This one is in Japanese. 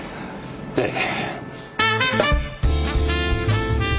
ええ。